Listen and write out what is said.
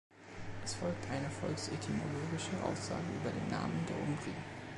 Es folgt eine volksetymologische Aussage über den Namen der Umbri.